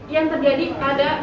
yang terjadi pada